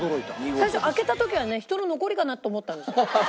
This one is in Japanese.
最初開けた時はね人の残りかなって思ったんですよ。